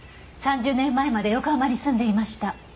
３０年前まで横浜に住んでいました。